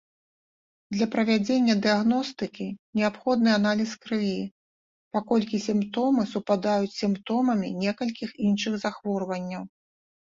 Для правядзення дыягностыкі неабходны аналіз крыві, паколькі сімптомы супадаюць з сімптомамі некалькіх іншых захворванняў.